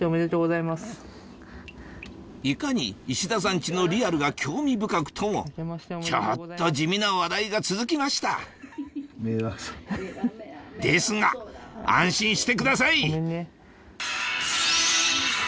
いかに石田さんチのリアルが興味深くともちょっと地味な話題が続きましたですが安心してください